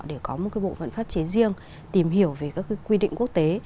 để có một bộ phận pháp chế riêng tìm hiểu về các quy định quốc tế